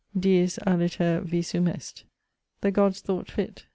Diis aliter visum est. 'The gods thought fit.